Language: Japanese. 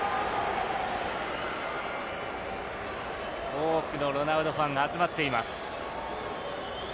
多くのロナウドファンが集まっています。